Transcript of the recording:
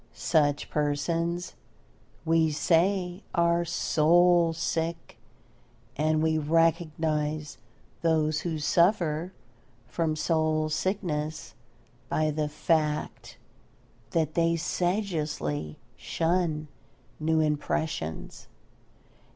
Such persons, we say, are soul sick and we recognise those who suffer from soul sickness by the fact that they sedulously shun new impressions.